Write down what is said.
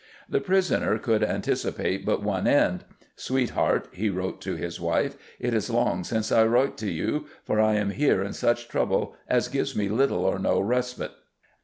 The prisoner could anticipate but one end. "Sweet Harte," he wrote to his wife, "it is long since I writt to you, for I am here in such trouble as gives me little or noe respett."